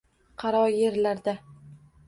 Qaro yerlarda